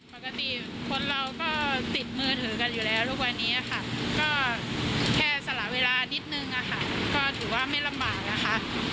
ปกติคนเราก็ติดมือถือกันอยู่แล้วทุกวันนี้ค่ะก็แค่สละเวลานิดนึงอะค่ะก็ถือว่าไม่ลำบากนะคะ